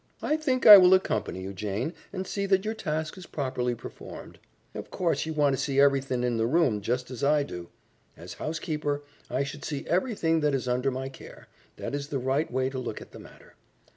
"I think I will accompany you, Jane, and see that your task is properly performed." "Of course you want to see everythin' in the room, just as I do." "As housekeeper, I should see everything that is under my care. That is the right way to look at the matter."